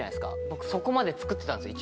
僕そこまで作ってたんですよ